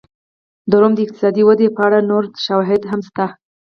د روم د اقتصادي ودې په اړه نور شواهد هم شته